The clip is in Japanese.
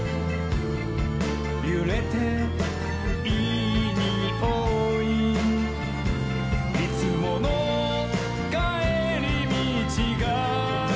「ゆれていいにおい」「いつものかえりみちがなぜか」